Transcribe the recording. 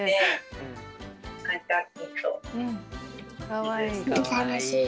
かわいい。